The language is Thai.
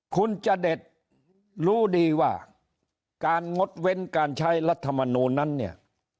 คุณจเด็ดรู้ดีว่าการงดเว้นการใช้รัฐมนูลนั้นเนี่ย